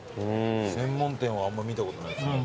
専門店はあんま見たことないですね